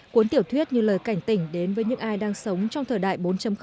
cuốn tiểu thuyết như lời cảnh tỉnh đến với những ai đang sống trong thời đại bốn